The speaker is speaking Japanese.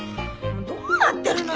どうなってるのよ